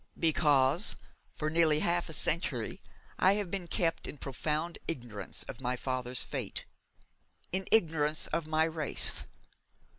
'Because for nearly half a century I have been kept in profound ignorance of my father's fate in ignorance of my race.